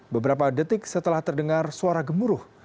beberapa detik setelah terdengar suara gemuruh